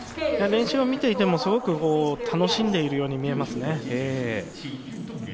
練習を見ていても、すごく楽しんでるように見えますね。